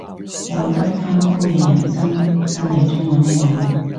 有得返工嘅人生真係充滿希望